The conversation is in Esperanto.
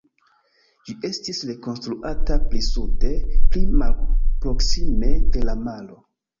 Ĝi estis rekonstruata pli sude, pli malproksime de la maro.